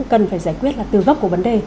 cần phải giải quyết là từ gốc của vấn đề